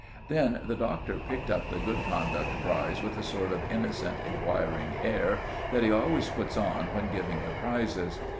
Then the Doctor picked up the Good Conduct Prize with a sort of innocent, inquiring air that he always puts on when giving the prizes.